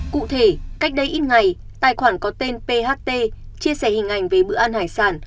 cụ thể cách đây ít ngày tài khoản có tên pht chia sẻ hình ảnh về bữa ăn hải sản